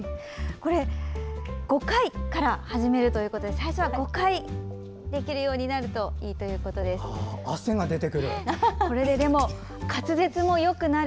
５回から始めるということで最初は５回できるようになると汗が出てくる。